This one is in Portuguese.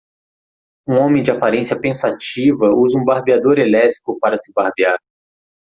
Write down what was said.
Um homem de aparência pensativa usa um barbeador elétrico para se barbear